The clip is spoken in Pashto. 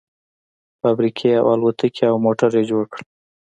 فابريکې او الوتکې او موټر يې جوړ کړل.